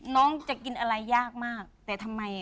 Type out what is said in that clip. น้องจะกินอะไรยากมากแต่ทำไม